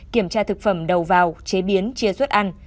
kiểm tra thực phẩm đầu vào chế biến chia xuất ăn